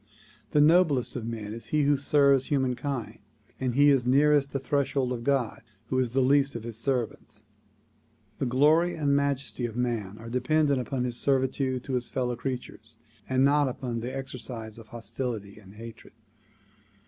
The noblest of men is he who serves humankind, and he is nearest the threshold of God who is the least of his servants. The glory and majesty of man are dependent upon his servitude to his fellow creatures and not upon the exercise of hostility and hatred.